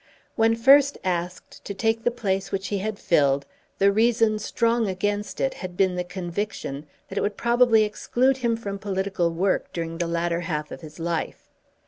When first asked to take the place which he had filled the reason strong against it had been the conviction that it would probably exclude him from political work during the latter half of his life.